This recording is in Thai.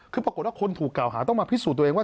คือปรากฏว่าคนถูกกล่าวหาต้องมาพิสูจน์ตัวเองว่า